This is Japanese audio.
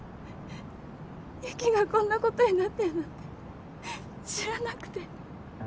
雪がこんなことになってるなんて知らなくて。